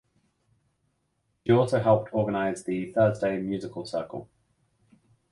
She also helped organize the Thursday Musical Circle.